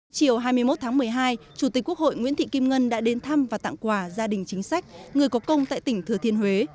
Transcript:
chiều hai mươi một tháng một mươi hai chủ tịch quốc hội nguyễn thị kim ngân đã đến thăm và tặng quà gia đình chính sách người có công tại tỉnh thừa thiên huế